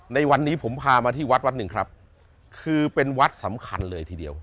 ในวันนี้ผมพามาที่วัดวัดหนึ่งครับคือเป็นวัดสำคัญเลยทีเดียว